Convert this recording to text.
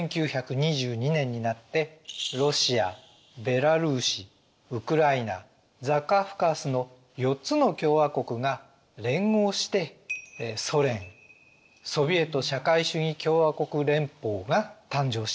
１９２２年になってロシアベラルーシウクライナザカフカースの４つの共和国が連合してソ連ソヴィエト社会主義共和国連邦が誕生したわけです。